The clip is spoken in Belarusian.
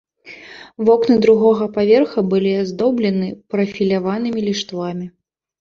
Вокны другога паверха былі аздоблены прафіляванымі ліштвамі.